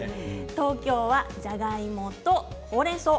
東京は、じゃがいもとほうれんそう。